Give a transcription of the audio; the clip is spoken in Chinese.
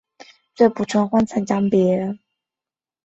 在许多有性繁殖的生物的基因。